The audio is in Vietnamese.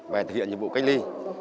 và thực hiện nhiệm vụ cách ly